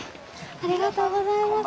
ありがとうございます。